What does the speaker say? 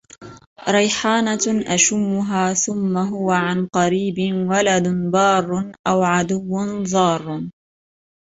رَيْحَانَةٌ أَشُمُّهَا ثُمَّ هُوَ عَنْ قَرِيبٍ وَلَدٌ بَارٌّ أَوْ عَدُوٌّ ضَارٌّ